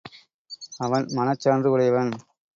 அவன் மனச்சான்று உடையவன்.